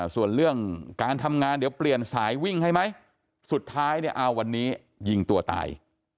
ส่วนเรื่องการทำงานเดี๋ยวเปลี่ยนสายวิ่งให้ไหมสุดท้ายเนี่ยเอาวันนี้ยิงตัวตาย